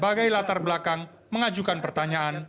sebagai latar belakang mengajukan pertanyaan